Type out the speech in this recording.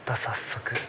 早速。